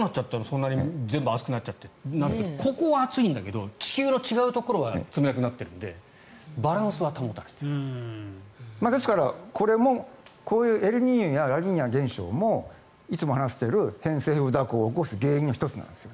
そんなに全部暑くなっちゃってとここは暑いんだけど地球の違うところは冷たくなっているのでですから、これもこういうエルニーニョやラニーニャ現象もいつも話している偏西風蛇行が起こす原因の１つなんです。